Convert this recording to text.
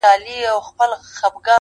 او پر لار د طویلې یې برابر کړ،